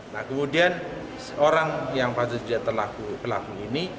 nah kemudian seorang yang pasti sudah terlaku ini